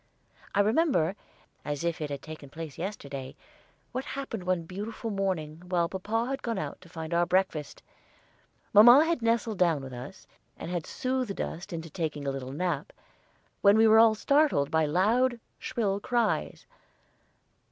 I remember, as if it had taken place yesterday, what happened one beautiful morning while papa had gone out to find our breakfast. Mamma had nestled down with us, and had soothed us into taking a little nap, when we were all startled by loud, shrill cries.